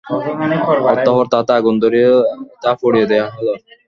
অতঃপর তাতে আগুন ধরিয়ে তা পুড়িয়ে দেয়া হল।